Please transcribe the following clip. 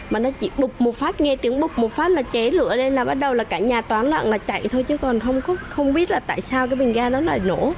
mà nó chỉ bụp một phát nghe tiếng bụp một phát là cháy lửa lên là bắt đầu là cả nhà toán lặng là chạy thôi chứ còn không biết là tại sao cái bình ga nó lại nổ